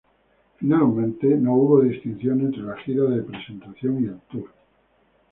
Finalmente, no hubo distinción entre la gira de presentación y el tour.